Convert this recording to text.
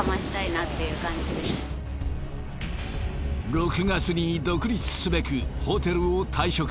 ６月に独立すべくホテルを退職